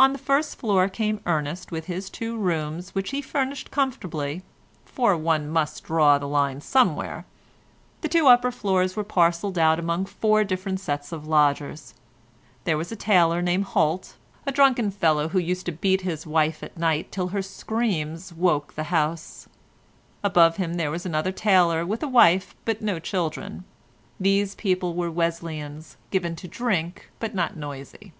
On the first floor came Ernest, with his two rooms which he furnished comfortably, for one must draw the line somewhere. The two upper floors were parcelled out among four different sets of lodgers: there was a tailor named Holt, a drunken fellow who used to beat his wife at night till her screams woke the house; above him there was another tailor with a wife but no children; these people were Wesleyans, given to drink but not noisy.